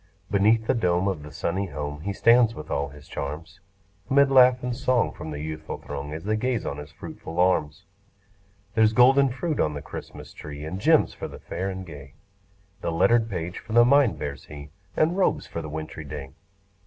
Beneath the dome of the sunny home, He stands with all his charms; 'Mid laugh and song from the youthful throng, As they gaze on his fruitful arms. There's golden fruit on the Christmas tree, And gems for the fair and gay; The lettered page for the mind bears he, And robes for the wintry day.